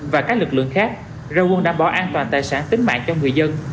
và các lực lượng khác ra quân đảm bảo an toàn tài sản tính mạng cho người dân